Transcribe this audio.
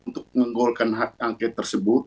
untuk menggolkan hak angket tersebut